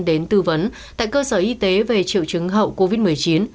đến tư vấn tại cơ sở y tế về triệu chứng hậu covid một mươi chín